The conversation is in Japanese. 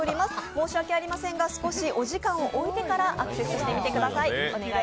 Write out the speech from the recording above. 申し訳ありませんが、少しお時間を置いてからアクセスしてみてください。